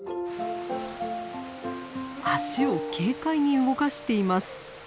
脚を軽快に動かしています。